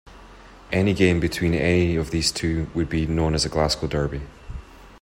Any game between any of these two would be known as a Glasgow derby.